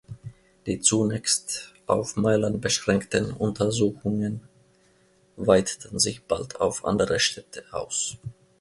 Die zunächst auf Mailand beschränkten Untersuchungen weiteten sich bald auf andere Städte aus.